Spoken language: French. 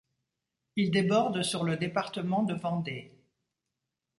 Il déborde sur le département de Vendée.